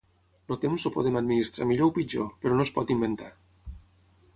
El Temps el podem administrar millor o pitjor, però no es pot inventar.